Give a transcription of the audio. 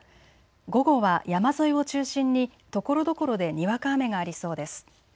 午後は山沿いを中心にところどころでにわか雨がありそうです。